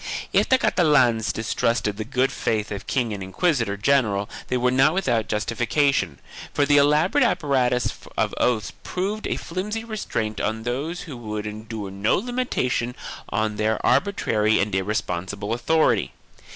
2 If the Catalans distrusted the good faith of king and inquisitor general they were not without justification, for the elaborate apparatus of oaths proved a flimsy restraint on those who would endure no limitation on their arbitrary and irresponsible author ity.